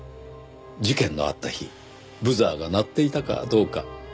事件のあった日ブザーが鳴っていたかどうか。